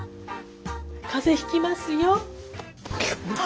風邪ひきますよ。